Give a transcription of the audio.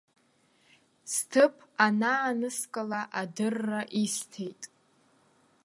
Сҭыԥ анааныскыла, адырра исҭеит.